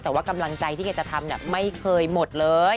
แต่ว่ากำลังใจที่แกจะทำไม่เคยหมดเลย